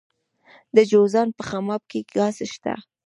د جوزجان په خماب کې ګاز شته.